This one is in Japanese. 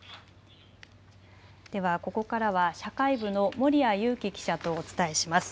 ではここからは社会部の守屋裕樹記者とお伝えします。